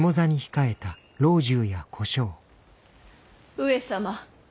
上様。